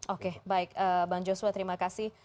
oke baik bang joshua terima kasih